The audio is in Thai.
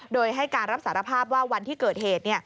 โดยให้การรับสารภาพว่าวันที่เกิดเหตุ